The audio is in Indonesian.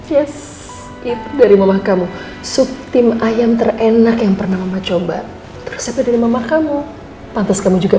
yes itu dari mama kamu sup tim ayam terenak yang pernah coba coba dari mama kamu pantes kamu juga